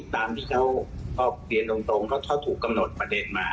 ตามที่เขาก็เปลี่ยนตรงเขาถูกกำหนดประเด็นมา